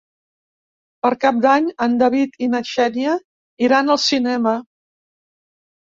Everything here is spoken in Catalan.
Per Cap d'Any en David i na Xènia iran al cinema.